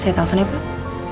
saya telfonnya pak